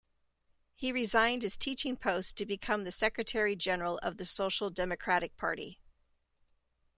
He resigned his teaching post to become the secretary-general of the Social Democratic Party.